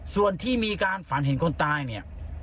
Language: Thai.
ส่วนที่มีการฝันเห็นคนตายเนี่ย